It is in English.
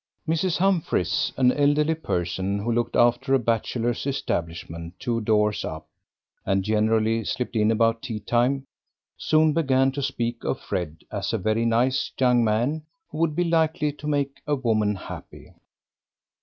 XXIV Mrs. Humphries, an elderly person, who looked after a bachelor's establishment two doors up, and generally slipped in about tea time, soon began to speak of Fred as a very nice young man who would be likely to make a woman happy.